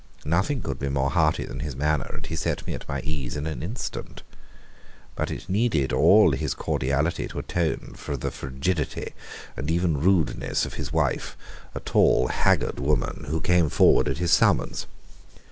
Nothing could be more hearty than his manner, and he set me at my ease in an instant. But it needed all his cordiality to atone for the frigidity and even rudeness of his wife, a tall, haggard woman, who came forward at his summons.